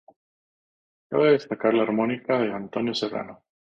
Cabe destacar la armónica de Antonio Serrano.